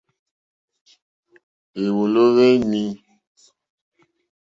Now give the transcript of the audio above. Hwèwòló hwé nǐ.